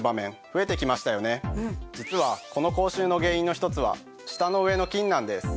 実はこの口臭の原因の１つは舌の上の菌なんです。